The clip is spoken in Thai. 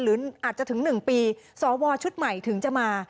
หรืออาจจะถึง๑ปีสวชุดใหม่ถึงจะมา